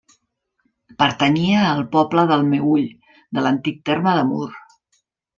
Pertanyia al poble del Meüll, de l'antic terme de Mur.